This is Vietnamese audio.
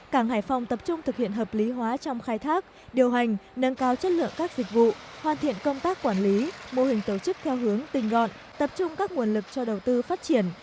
cảng hải phòng tập trung thực hiện hợp lý hóa trong khai thác điều hành nâng cao chất lượng các dịch vụ hoàn thiện công tác quản lý mô hình tổ chức theo hướng tình gọn tập trung các nguồn lực cho đầu tư phát triển